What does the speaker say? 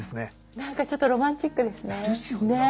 なんかちょっとロマンチックですね。ですよね。